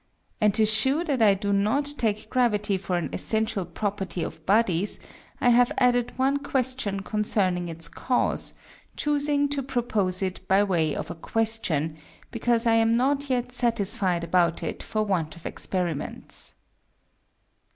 And to shew that I do not take Gravity for an essential Property of Bodies, I have added one Question concerning its Cause, chusing to propose it by way of a Question, because I am not yet satisfied about it for want of Experiments.